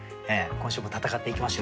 今週も戦っていきましょう。